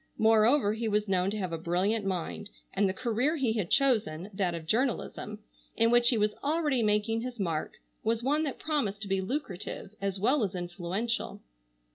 Moreover he was known to have a brilliant mind, and the career he had chosen, that of journalism, in which he was already making his mark, was one that promised to be lucrative as well as influential.